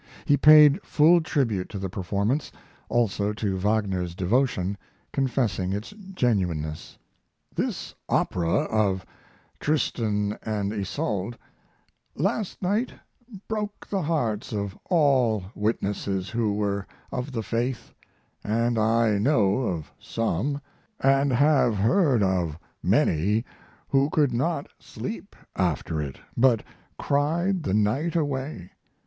He paid full tribute to the performance, also to the Wagner devotion, confessing its genuineness. This opera of "Tristan and Isolde" last night broke the hearts of all witnesses who were of the faith, and I know of some, and have heard of many, who could not sleep after it, but cried the night away.